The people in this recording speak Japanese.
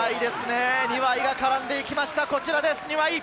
庭井が絡んでいきました。